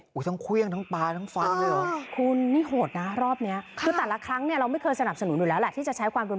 ห่างจากโรงพักษณ์พูดแล้วเดี๋ยวคุณจะตกใจกัน